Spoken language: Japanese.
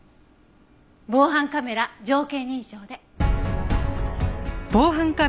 防犯カメラ条件認証で。